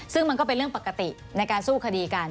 ซึ่งมันก็เป็นเรื่องปกติในการสู้คดีกัน